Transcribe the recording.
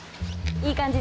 いい感じ。